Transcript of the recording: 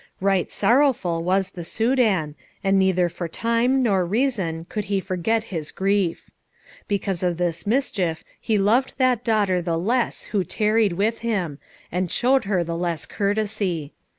Right sorrowful was the Soudan, and neither for time nor reason could he forget his grief. Because of this mischief he loved that daughter the less who tarried with him, and showed her the less courtesy.